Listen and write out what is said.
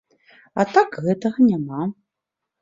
А так гэтага няма.